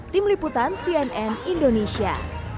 tim liputan cnn indonesia